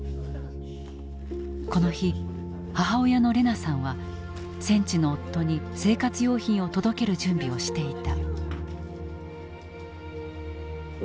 この日母親のレナさんは戦地の夫に生活用品を届ける準備をしていた。